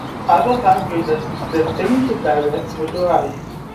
Others argued that the signature barriers were too high.